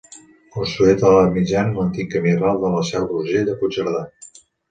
Construït a l'Edat Mitjana a l'antic camí ral de la Seu d'Urgell a Puigcerdà.